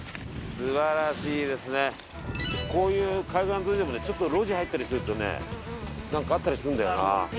こういう海岸沿いでもねちょっと路地入ったりするとね何かあったりするんだよな。